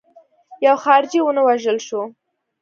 یو خارجي ونه وژل شو.